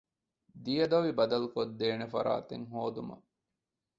ދިޔަދޮވި ބަދަލުކޮށްދޭނެ ފަރާތެއް ހޯދުމަށް